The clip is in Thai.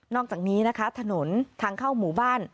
อกจากนี้นะคะถนนทางเข้าหมู่บ้าน